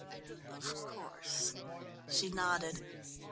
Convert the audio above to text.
Of course." She nodded.